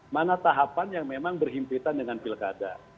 mana tahapan yang memang berhimpitan dengan pilkada